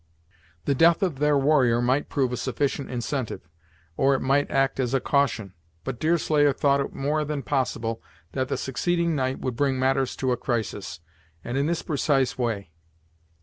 The death of their warrior might prove a sufficient incentive, or it might act as a caution; but Deerslayer thought it more than possible that the succeeding night would bring matters to a crisis, and in this precise way.